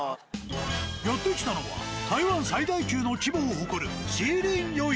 やって来たのは台湾最大級の規模を誇る。